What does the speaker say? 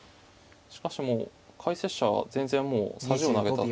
しかしもう解説者は全然もうさじを投げた。